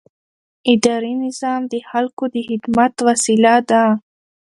اداري نظام د خلکو د خدمت وسیله ده.